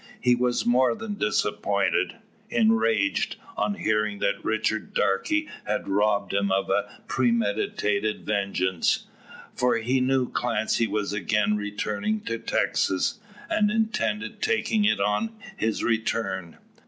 He was more than disappointed enraged on hearing that Richard Darke had robbed him of a premeditated vengeance. For he knew Clancy was again returning to Texas, and intended taking it on his return.